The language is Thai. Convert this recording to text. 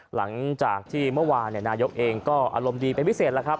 หลังจากที่เมื่อวานนายกเองก็อารมณ์ดีเป็นพิเศษแล้วครับ